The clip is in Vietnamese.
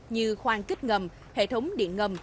như khoang kích ngầm hệ thống điện ngầm